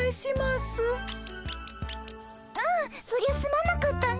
ああそりゃすまなかったね。